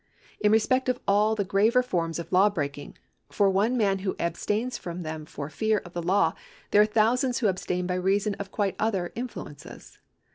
In respect of all the graver forms of law breaking, for one man who abstains from them for fear of the law there are thousands who abstain by reason of quite other influences.